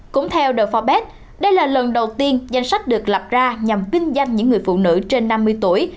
cũng theo the forbes đây là lần đầu tiên danh sách được lập ra nhằm vinh danh những người phụ nữ trên năm mươi tuổi